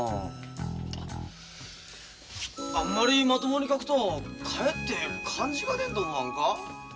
あんまりまともに描くとかえって感じが出んと思わんか？